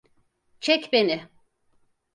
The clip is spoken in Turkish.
Çek beni!